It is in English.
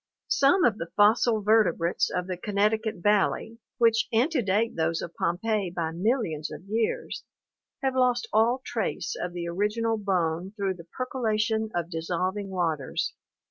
Some of the fossil vertebrates of the Connecticut valley, which antedate those of Pompeii by millions of years, have lost all trace of the original bone through the percolation of dissolving waters.